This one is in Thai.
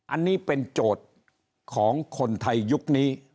อันนี้เป็นโจทย์ของคนไทยยุคนี้